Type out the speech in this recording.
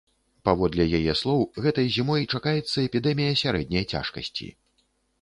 Паводле яе слоў, гэтай зімой чакаецца эпідэмія сярэдняй цяжкасці.